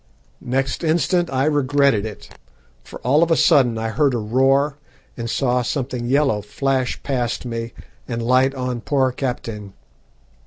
"Next instant I regretted it, for all of a sudden I heard a roar and saw something yellow flash past me and light on poor Kaptein.